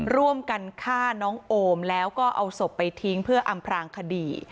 ร่วมกันฆ่าน้องโอมแล้วก็เอาศพไปทิ้งเพื่ออำพลางคดี